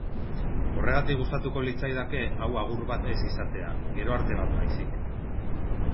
Horregatik gustatuko litzaidake hau agur bat ez izatea, gero arte bat baizik.